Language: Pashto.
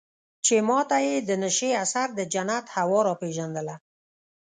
چې ما ته يې د نشې اثر د جنت هوا راپېژندله.